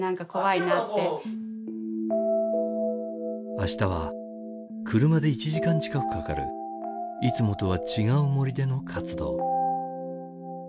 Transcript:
明日は車で１時間近くかかるいつもとは違う森での活動。